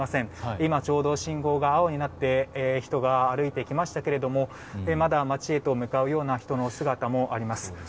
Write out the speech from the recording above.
今、ちょうど信号が青になって人が歩いてきましたがまだ街へと向かうような人の姿もあります。